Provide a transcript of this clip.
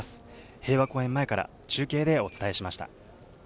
平和公園前から中継でお伝えしました。